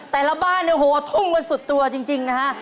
แต่ละบ้านเนี่ยโหทุ่มกันสุดตัวจริงนะฮะ